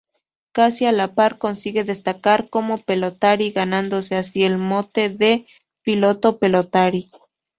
Casi a la par consigue destacar como pelotari ganándose así el mote de "Piloto-Pelotari".